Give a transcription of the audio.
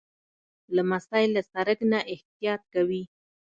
لمسی له سړک نه احتیاط کوي.